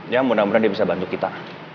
ya mudah mudahan dia bisa bantu kita